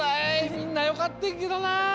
みんなよかってんけどな。